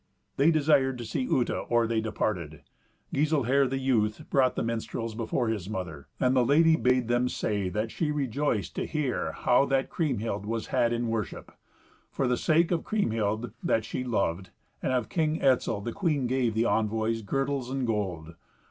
They desired to see Uta or they departed. Giselher, the youth, brought the minstrels before his mother, and the lady bade them say that she rejoiced to hear how that Kriemhild was had in worship. For the sake of Kriemhild, that she loved, and of King Etzel, the queen gave the envoys girdles and gold.